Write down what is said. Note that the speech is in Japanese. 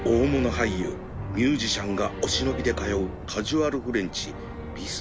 俳優ミュージシャンがお忍びで通うカジュアルフレンチ